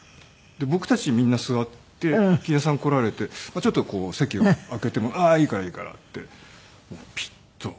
僕たちみんな座って欣也さん来られてちょっとこう席を空けても「ああいいからいいから」ってピッと。